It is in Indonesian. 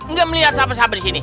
gak melihat siapa siapa di sini